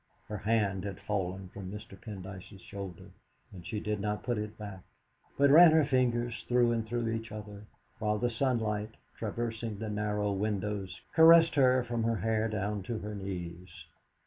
Her hand had fallen from Mr. Pendyce's shoulder, and she did not put it back, but ran her fingers through and through each other, while the sunlight, traversing the narrow windows, caressed her from her hair down to her knees.